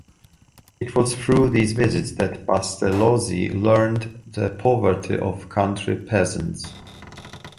It was through these visits that Pestalozzi learned the poverty of country peasants.